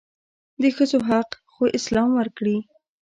دښځو حق خواسلام ورکړي